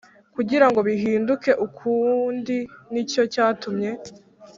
kugira ngo bihinduke ukundi Ni cyo cyatumye